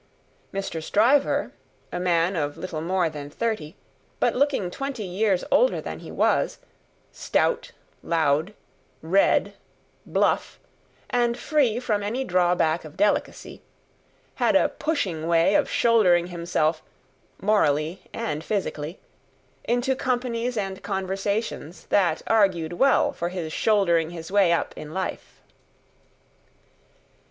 Mr. Stryver, a man of little more than thirty, but looking twenty years older than he was, stout, loud, red, bluff, and free from any drawback of delicacy, had a pushing way of shouldering himself (morally and physically) into companies and conversations, that argued well for his shouldering his way up in life.